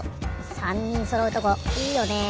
３にんそろうとこいいよね。